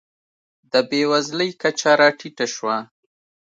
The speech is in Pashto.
د بېوزلۍ کچه راټیټه شوه.